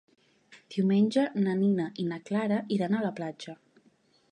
Diumenge na Nina i na Clara iran a la platja.